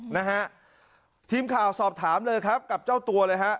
นะฮะทีมข่าวสอบถามเลยครับกับเจ้าตัวเลยฮะ